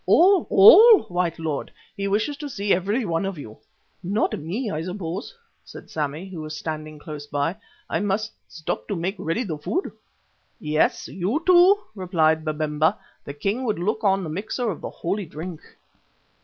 "All, all, white lord. He wishes to see every one of you." "Not me, I suppose?" said Sammy, who was standing close by. "I must stop to make ready the food." "Yes, you too," replied Babemba. "The king would look on the mixer of the holy drink."